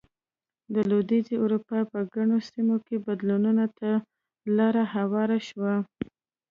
د لوېدیځې اروپا په ګڼو سیمو کې بدلونونو ته لار هواره شوه.